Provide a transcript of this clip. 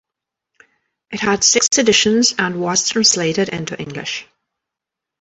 It had six editions and was translated into English.